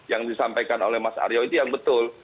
yang disampaikan oleh mas aryo itu yang betul